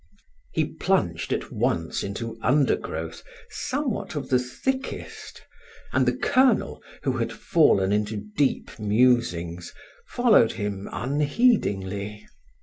He plunged at once into undergrowth, somewhat of the thickest; and the Colonel, who had fallen into deep musings, followed him unheedingly.